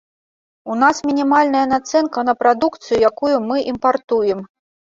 У нас мінімальная нацэнка на прадукцыю, якую мы імпартуем.